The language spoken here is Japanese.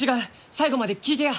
最後まで聞いてや！